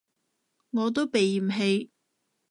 我都被嫌棄